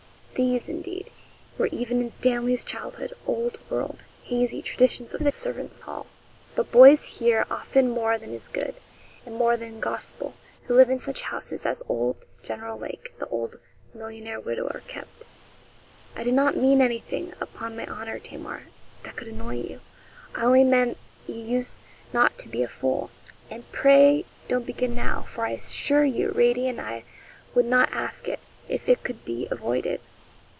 These, indeed, were even in Stanley's childhood old world, hazy, traditions of the servants' hall. But boys hear often more than is good, and more than gospel, who live in such houses as old General Lake, the old millionaire widower, kept. 'I did not mean anything, upon my honour, Tamar, that could annoy you. I only meant you used not to be a fool, and pray don't begin now; for I assure you Radie and I would not ask it if it could be avoided.